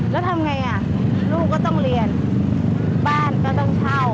แล้วทำไงอ่ะลูกก็ต้องเรียนบ้านก็ต้องเช่า